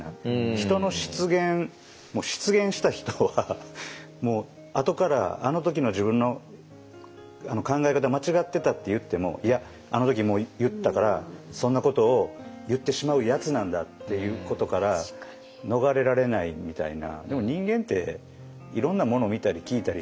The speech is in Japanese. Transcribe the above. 人の失言失言した人はもうあとから「あの時の自分の考え方間違ってた」って言ってもいやあの時もう言ったからそんなことを言ってしまうやつなんだっていうことから逃れられないみたいな。